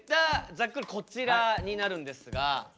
ざっくりこちらになるんですが。